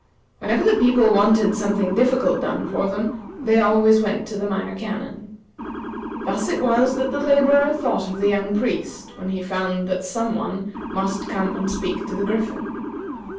Whenever the people wanted something difficult done for them, they always went to the Minor Canon. Thus it was that the laborer thought of the young priest when he found that some one must come and speak to the Griffin.